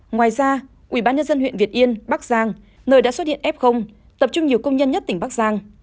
ngoài ra ubnd huyện việt yên bắc giang nơi đã xuất hiện f tập trung nhiều công nhân nhất tỉnh bắc giang